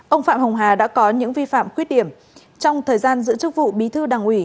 ông phạm hồng hà đã có những vi phạm khuyết điểm trong thời gian giữ chức vụ bí thư đảng ủy